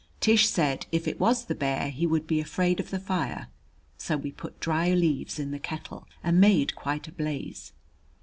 Tish said if it was the bear he would be afraid of the fire, so we put dry leaves in the kettle and made quite a blaze.